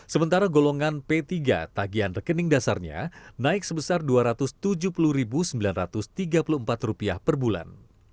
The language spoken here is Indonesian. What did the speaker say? sementara golongan p tiga tagihan rekening dasarnya naik sebesar rp dua ratus tujuh puluh sembilan ratus tiga puluh empat per bulan